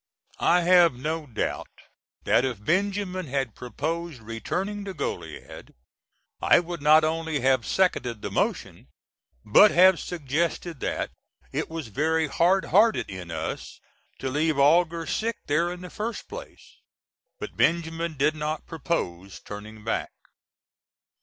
I have no doubt that if Benjamin had proposed returning to Goliad, I would not only have "seconded the motion" but have suggested that it was very hard hearted in us to leave Augur sick there in the first place; but Benjamin did not propose turning back.